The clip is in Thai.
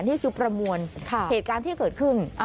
นี่คือประมวลเหตุการณ์ที่เกิดขึ้น